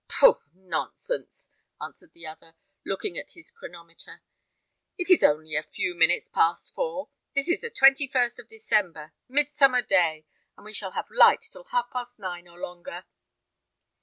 "Pooh, nonsense!" answered the other, looking at his chronometer; "it is only a few minutes past four. This is the twenty first of December, Midsummer day, and we shall have light till half past nine or longer."